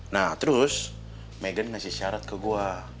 nah terus meghan ngasih syarat ke gue